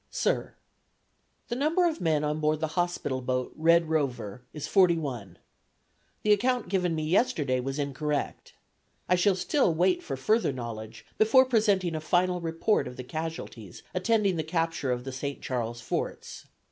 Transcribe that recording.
Sir: The number of men on board the hospital boat Red Rover is forty one. The account given me yesterday was incorrect. I shall still wait for further knowledge before presenting a final report of the casualties attending the capture of the St. Charles forts.